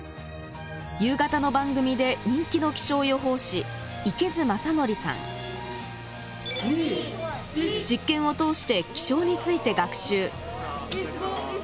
夕方の番組で人気の実験を通して気象について学習。